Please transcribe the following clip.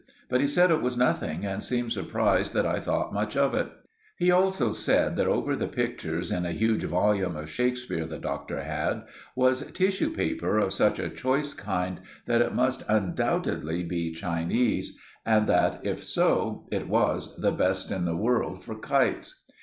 But he said it was nothing, and seemed surprised that I thought much of it. He also said that over the pictures in a huge volume of Shakespeare the Doctor had, was tissue paper of such a choice kind that it must undoubtedly be Chinese, and that, if so, it was the best in the world for kites.